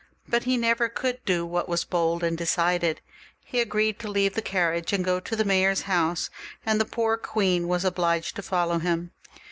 But he never could do what was bold and decided ; he agreed to leave the carriage and go to the mayor's house, and the poor queen was obliged to follow him.